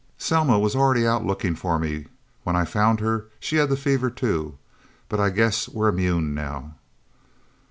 Selma was already out looking for me. When I found her, she had the fever, too. But I guess we're immune now."